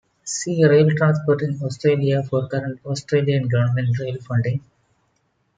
See Rail transport in Australia for current Australian Government rail funding.